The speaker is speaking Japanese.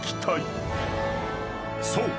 ［そう。